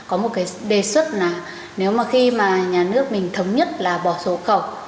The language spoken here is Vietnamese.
có một cái đề xuất là nếu mà khi mà nhà nước mình thống nhất là bỏ sổ khẩu